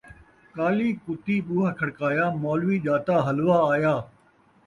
کالی کتّی ٻوہا کھڑکایا ، مولوی ڄاتا حلوہ آیا